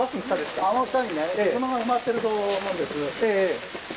あの下にね、車が埋まってると思うんです。